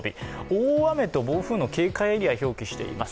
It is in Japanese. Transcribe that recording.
大雨と暴風の警戒エリアを表記しています。